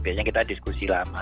biasanya kita diskusi lama